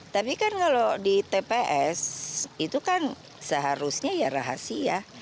tapi kan kalau di tps itu kan seharusnya ya rahasia